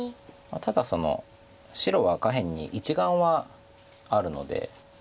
ただ白は下辺に１眼はあるので。